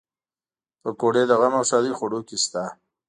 پکورې د غم او ښادۍ خوړو کې شته